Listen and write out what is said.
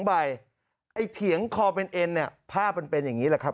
ใบไอ้เถียงคอเป็นเอ็นเนี่ยภาพมันเป็นอย่างนี้แหละครับ